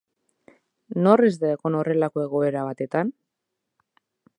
Nor ez da egon horrelako egoera batetan?